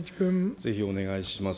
ぜひお願いします。